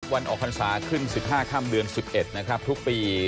วันออกพรรษาขึ้น๑๕ค่ำเดือน๑๑นะครับทุกปี